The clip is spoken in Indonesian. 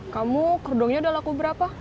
kamu kerdongnya udah laku berapa